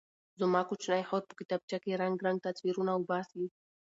زما کوچنۍ خور په کتابچه کې رنګارنګ تصویرونه وباسي.